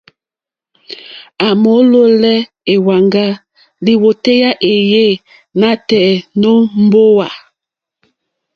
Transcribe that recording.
À mòlólɛ́ èwàŋgá lìwòtéyá éèyé nǎtɛ̀ɛ̀ nǒ mbówà.